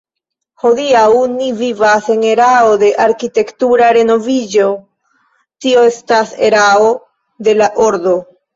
Hodiaŭ ni vivas en erao de arkitektura renoviĝo, tio estas erao de la ordo.